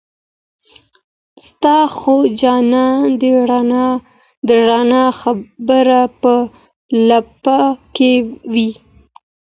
ستا خو جانانه د رڼا خبر په لـپـه كي وي